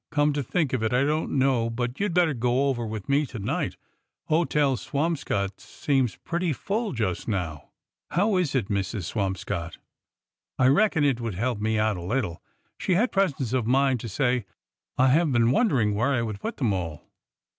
Come to think of it, I don't know but you 'd better go over with me to night— Hotel Swamscott seems pretty full just now— how is it, Mrs. Swamscott ?"" I reckon it would help me out a little," she had pres ence of mind to say. '' I have been wondering where I would put them all."